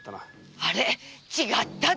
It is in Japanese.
あれ違っただ。